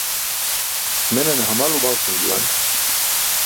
Menane hamal umalcum juwan.